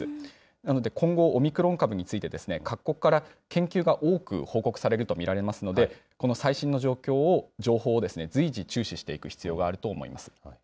なので、今後、オミクロン株について、各国から研究が多く報告されると見られますので、この最新の情報を随時、注視していく必要があると思います。